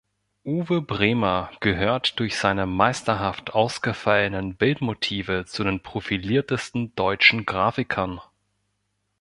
Uwe Bremer gehört durch seine meisterhaft ausgefallenen Bildmotive zu den profiliertesten deutschen Grafikern.